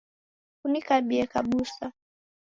Kunikabie kabusa.